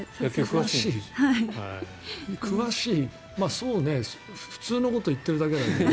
そうね、普通のことを言ってるだけだけどね。